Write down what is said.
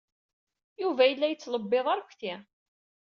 Yuba yella yettlebbiḍ arekti.